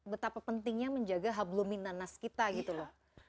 betapa pentingnya menjaga habluminanaskita gitu loh